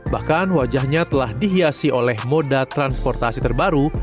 bahkan wajahnya telah dihiasi oleh moda transportasi terbaru